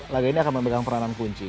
laga ini akan memegang peranan kunci